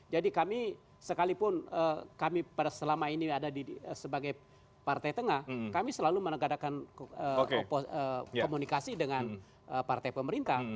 jadi kami sekalipun kami pada selama ini ada sebagai partai tengah kami selalu menegakkan komunikasi dengan partai pemerintah